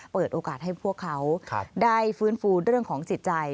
เปิดโอกาสให้พวกเขาได้ฟื้นฟูเรื่องของจิตใจ